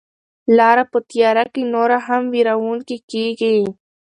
لاره په تیاره کې نوره هم وېروونکې کیږي.